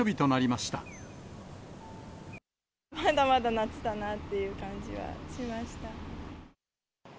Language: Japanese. まだまだ夏だなっていう感じはしました。